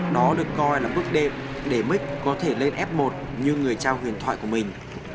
đó được coi là bước đệm để mich có thể lên f một như người cha huyền thoại của mình